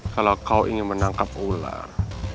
kalau kau ingin menangkap ular